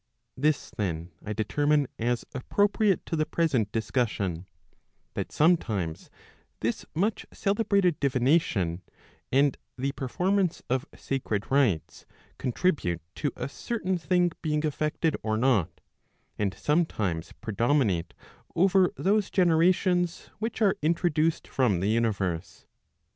This then I deter¬ mine as appropriate to the present discussion, that sometimes' this much celebrated divination, and the performance of sacred rites contribute to a certain thing being effected or not, and sometimes * predominate over those generations which are introduced from the universe.